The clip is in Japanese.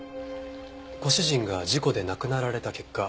ご主人が事故で亡くなられた結果